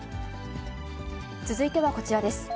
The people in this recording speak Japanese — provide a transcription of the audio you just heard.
続いてはこちらです。